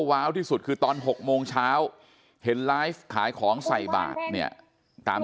ว้าวที่สุดคือตอน๖โมงเช้าเห็นไลฟ์ขายของใส่บาทเนี่ยตาม